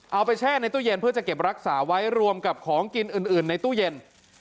แช่ในตู้เย็นเพื่อจะเก็บรักษาไว้รวมกับของกินอื่นในตู้เย็น